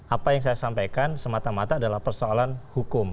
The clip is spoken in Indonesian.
apa yang saya sampaikan semata mata adalah persoalan hukum